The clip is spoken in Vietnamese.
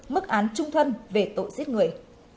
mức án trung thân về tội giết người